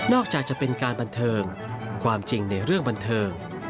จะเป็นการบันเทิงความจริงในเรื่องบันเทิง